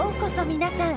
皆さん。